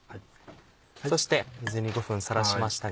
そして水に５分さらしましたが。